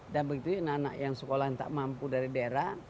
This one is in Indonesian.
dan begitu anak anak yang sekolah yang tak mampu dari daerah